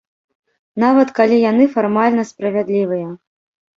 Нават калі яны фармальна справядлівыя.